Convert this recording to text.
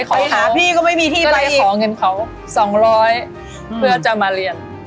ก็เลยขอเงินเขา๒๐๐เพื่อจะมาเรียน